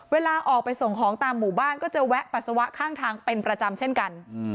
เวลาออกไปส่งของตามหมู่บ้านก็จะแวะปัสสาวะข้างทางเป็นประจำเช่นกัน